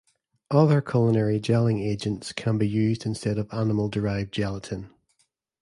Other culinary gelling agents can be used instead of animal-derived gelatin.